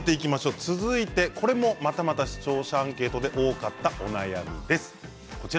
続いてこれもまたまた視聴者アンケートで多かったお悩みです。